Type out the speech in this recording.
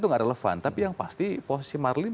itu nggak relevan tapi yang pasti posisi marlim